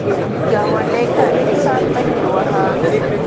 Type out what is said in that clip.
ګاونډي ته احسان مه هېر وهه